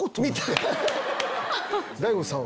大悟さんは？